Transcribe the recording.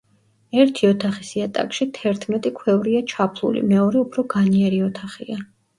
ერთი ოთახის იატაკში თერთმეტი ქვევრია ჩაფლული, მეორე უფრო განიერი ოთახია.